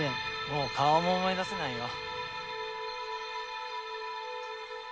もう顔も思い出せないわ。